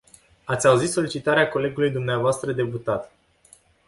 Ați auzit solicitarea colegului dvs. deputat.